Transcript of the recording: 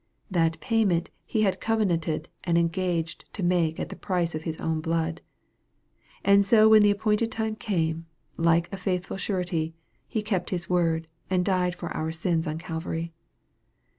That payment He had covenanted and engaged to make at the price of His own blood. And so when the appointed time came, like a faithful surety, He kept His word, and died for our sins on Calvary.